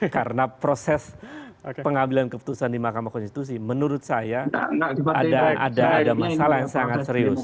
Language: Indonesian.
karena proses pengambilan keputusan di mahkamah konstitusi menurut saya ada masalah yang sangat serius